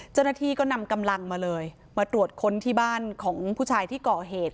เจ้าหน้าที่ก็นำกำลังมาเลยมาตรวจค้นที่บ้านของผู้ชายที่ก่อเหตุ